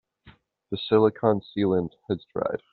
The silicon sealant has dried.